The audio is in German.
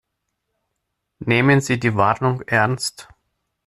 Nehmen Sie die Warnung ernst.